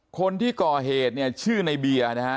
คนที่ก่อเหตุชื่อในเบียนนะฮะ